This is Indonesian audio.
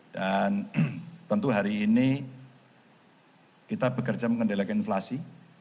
dan tentu hari ini kita bekerja mengendalikan inflasi